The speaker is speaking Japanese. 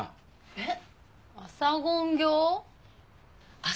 えっ？